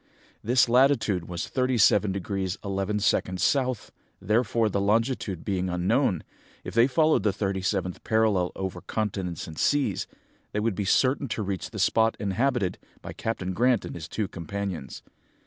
[Illustration: THE STRANGER'S STORY] "This latitude was 37° 11´ south, therefore, the longitude being unknown, if they followed the thirty seventh parallel over continents and seas, they would be certain to reach the spot inhabited by Captain Grant and his two companions.